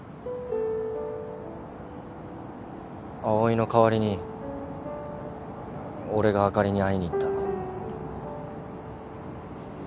葵の代わりに俺があかりに会いに行った。